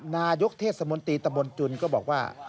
นายกเทศมนตรีตะบนจุนก็บอกว่า